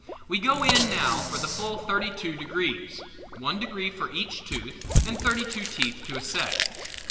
We go in now for the full thirty two degrees one degree for each tooth and thirty two teeth to a set.